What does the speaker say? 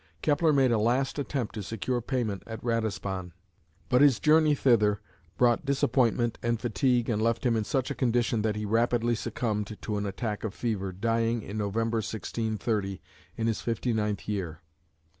Kepler made a last attempt to secure payment at Ratisbon, but his journey thither brought disappointment and fatigue and left him in such a condition that he rapidly succumbed to an attack of fever, dying in November, 1630, in his fifty ninth year.